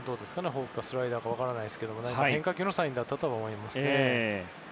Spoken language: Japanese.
フォークかスライダーか分かりませんが変化球のサインだったと思いますね。